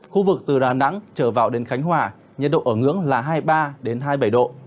khu vực từ đà nẵng trở vào đến khánh hòa nhiệt độ ở ngưỡng là hai mươi ba hai mươi bảy độ